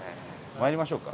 参りましょうか。